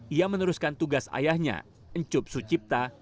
ia meneruskan tugas ayahnya encup sucipta